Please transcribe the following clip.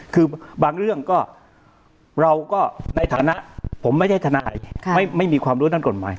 คือบางเรื่องก็เราก็ในฐานะผมไม่ได้ทนายไม่มีความรู้ด้านกฎหมาย